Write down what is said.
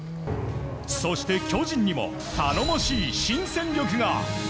そして巨人にも頼もしい新戦力が。